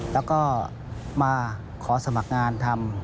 แล้วก็มาขอสมัครงานทำ